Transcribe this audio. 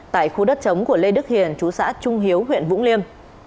tại khu đất chống của lê đức hiền chú xã trung hiếu huyện vũng liêm